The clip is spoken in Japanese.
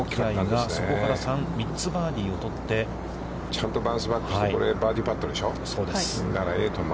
そこから３つ、バーディーを取って、バウンスバックしてバーディーパットでしょう？